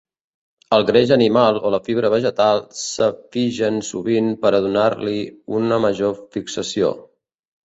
El greix animal o la fibra vegetal s'afigen sovint per a donar-li una major fixació.